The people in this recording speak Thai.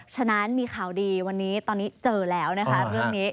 ฉะนั้นมีข่าวดีวันนี้ตอนนี้เจอแล้วนะคะเรื่องนี้